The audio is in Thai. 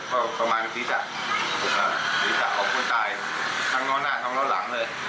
เขาก็ประมาณพิสัยพิสัยของคนตายทั้งหน้าน่าทั้งล่างเลย